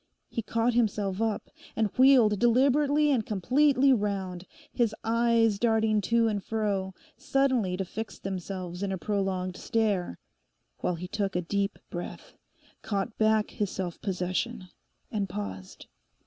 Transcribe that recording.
He caught himself up and wheeled deliberately and completely round, his eyes darting to and fro, suddenly to fix themselves in a prolonged stare, while he took a deep breath, caught back his self possession and paused.